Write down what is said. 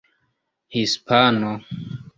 hispano